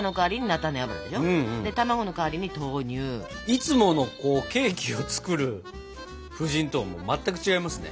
いつものケーキを作る布陣とは全く違いますね。